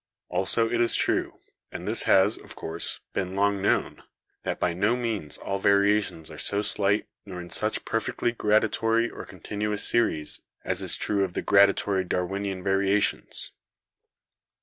Also it is true — and this has, of course, been long known — that by no means all varia tions are so slight nor in such perfectly gradatory or continuous series as is true of the gradatory Darwinian variations.